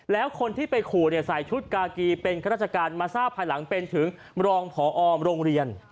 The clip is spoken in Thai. แล้วคนที่ไปขู่ใส่ชุดกากีเป็นข้าราชการมาทราบภายหลังเป็นถึงรองพอโรงเรียน